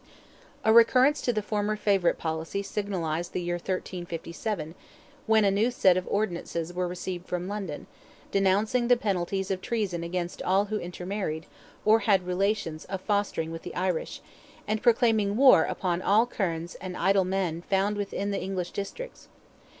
A recurrence to the former favourite policy signalized the year 1357, when a new set of ordinances were received from London, denouncing the penalties of treason against all who intermarried, or had relations of fosterage with the Irish; and proclaiming war upon all kernes and idle men found within the English districts.